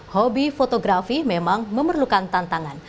hobi fotografi memang memerlukan tantangan